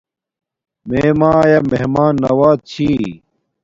میے مایآ مہمان نواز چھی